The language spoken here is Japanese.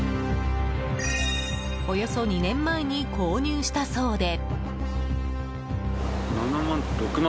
およそ２年前に購入したそうで。